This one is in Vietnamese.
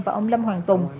và ông lâm hoàng tùng